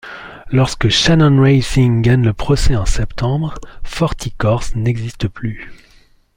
Lorsque Shannon Racing gagne le procès en septembre, Forti Corse n'existe plus.